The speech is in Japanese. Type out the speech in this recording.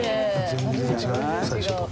全然違う最初と。